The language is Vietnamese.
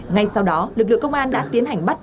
ngay sau đó lực lượng công an đã tiến hành bắt